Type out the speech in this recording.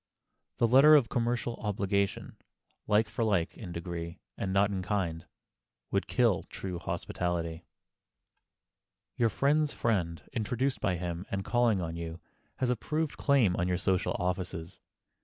The letter of commercial obligation, like for like, in degree, and not in kind, would kill true hospitality. Your friend's friend, introduced by him and calling on you, has a proved claim on your social offices.